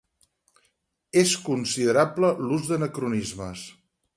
És considerable l'ús d'anacronismes.